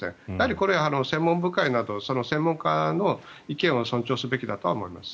これは専門部会など専門家の意見を尊重すべきだと思います。